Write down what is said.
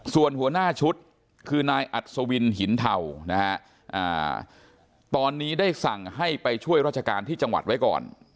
ส่วนหัวหน้าชุดคือนายอัศวินหินเทานะฮะตอนนี้ได้สั่งให้ไปช่วยราชการที่จังหวัดไว้ก่อน